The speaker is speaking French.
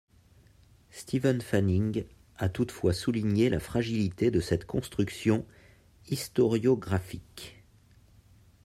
Steven Fanning a toutefois souligné la fragilité de cette construction historiographique.